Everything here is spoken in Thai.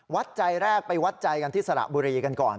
วัดใจแรกไปวัดใจกันที่สระบุรีกันก่อน